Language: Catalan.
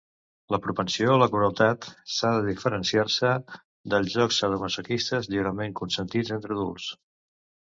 La propensió a la crueltat s'ha de diferenciar-se dels jocs sadomasoquistes lliurement consentits entre adults.